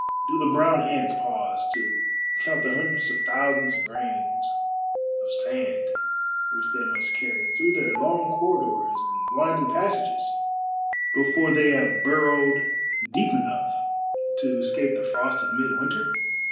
Do the brown ants pause to count the hundreds of thousands of grains of sand which they must carry through their long corridors and winding passages before they have burrowed deep enough to escape the frost of midwinter?